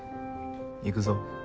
行くぞ。